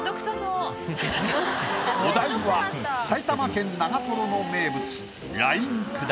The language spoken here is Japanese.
お題は埼玉県長の名物。